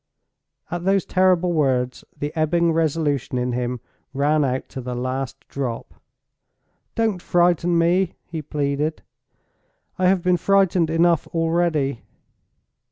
At those terrible words, the ebbing resolution in him ran out to the last drop. "Don't frighten me!" he pleaded; "I have been frightened enough already."